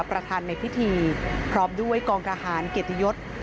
ประธานในพิธีพร้อมด้วยกองทหารเกียรติยศ